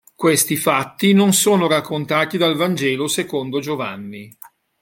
Questi fatti non sono raccontati dal Vangelo secondo Giovanni.